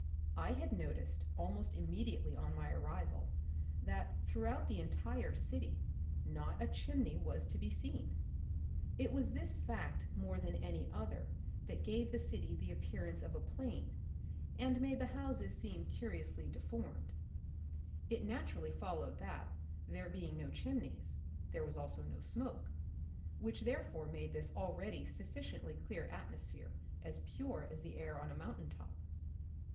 I had noticed almost immediately on my arrival that, throughout the entire city, not a chimney was to be seen. It was this fact more than any other that gave the city the appearance of a plain, and made the The Republic of the Future. 2 7 houses seem curiously deformed. It naturally followed that, there being no chimneys, there was also no smoke, which therefore made this already sufficiently clear atmosphere as pure as the air on a mountain top.